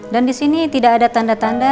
dan di sini tidak ada tanda tanda